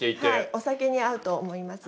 お酒に合うと思います。